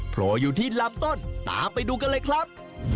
โผล่อยู่ที่ลำต้นตามไปดูกันเลยครับ